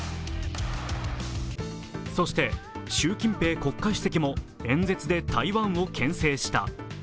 そして習近平国家主席も演説で台湾をけん制した。